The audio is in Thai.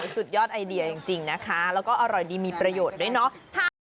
สุดยอดไอเดียจริงนะคะแล้วก็อร่อยดีมีประโยชน์ด้วยเนาะ